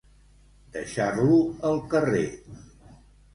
Deixar-lo al carrer.